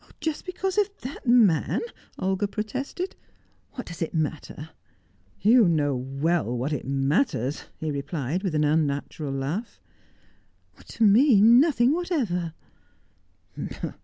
"Just because of that man?" Olga protested. "What does it matter?" "You know well what it matters," he replied, with an unnatural laugh. "To me nothing whatever."